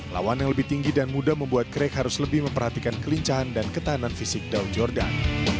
lawan yang lebih tinggi dan mudah membuat crack harus lebih memperhatikan kelincahan dan ketahanan fisik daud jordan